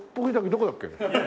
どこだっけ？